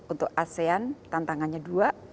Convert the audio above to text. untuk asean tantangannya dua